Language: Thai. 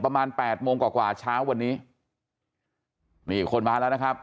ประมาณแปดโมงกว่ากว่าเช้าวันนี้นี่คนมาแล้วนะครับ